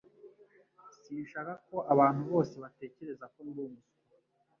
Sinshaka ko abantu bose batekereza ko ndi umuswa